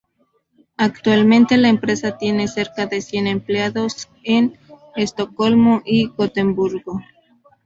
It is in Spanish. Actualmente la empresa tiene cerca de cien empleados en Estocolmo y Gotemburgo.